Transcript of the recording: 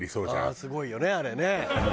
ああすごいよねあれね。